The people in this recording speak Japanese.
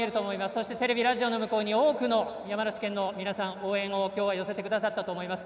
そして、テレビ、ラジオの向こうに多くの山梨県の皆さん応援を寄せてくださったと思います。